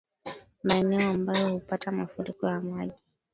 Maeneo ambayo hupata mafuriko ya maji